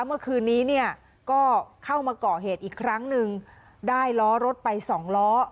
เมื่อคืนนี้เนี่ยก็เข้ามาก่อเหตุอีกครั้งหนึ่งได้ล้อรถไปสองล้อ